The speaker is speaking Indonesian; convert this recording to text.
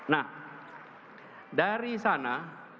nah dari sana